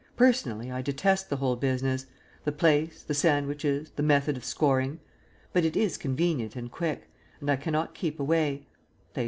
Personally I detest the whole business the place, the sandwiches, the method of scoring but it is convenient and quick, and I cannot keep away.